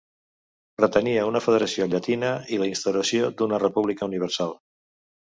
Pretenia una federació llatina i la instauració d'una República universal.